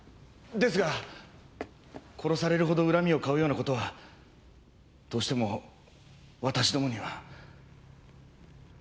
ですが殺されるほど恨みを買うような事はどうしても私どもには。